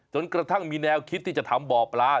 กระทั่งมีแนวคิดที่จะทำบ่อปลา